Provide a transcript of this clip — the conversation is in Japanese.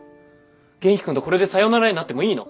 元気君とこれでさよならになってもいいの？